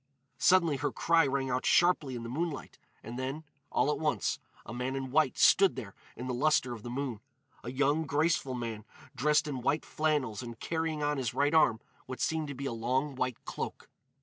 Suddenly her cry rang out sharply in the moonlight, and then, all at once, a man in white stood there in the lustre of the moon—a young, graceful man dressed in white flannels and carrying on his right arm what seemed to be a long white cloak.